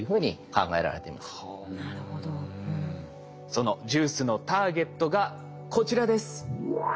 そのＪＵＩＣＥのターゲットがこちらです。